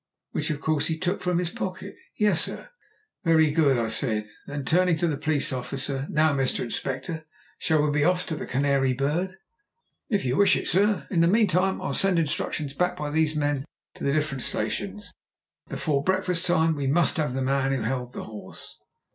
"Which of course he took from his pocket?" "Yes, sir." "Very good," I said. Then turning to the police officer, "Now, Mr. Inspector, shall we be off to the Canary Bird?" "If you wish it, sir. In the meantime I'll send instructions back by these men to the different stations. Before breakfast time we must have the man who held the horse."